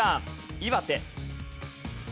岩手。